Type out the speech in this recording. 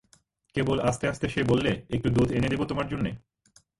কেবল আস্তে আস্তে সে বললে, একটু দুধ এনে দেব তোমার জন্যে?